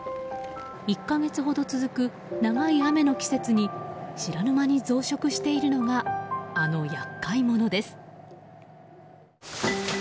１か月ほど続く長い雨の季節に知らぬ間に増殖しているのがあの厄介者です。